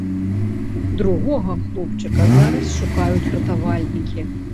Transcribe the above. Другога хлопчыка зараз шукаюць ратавальнікі.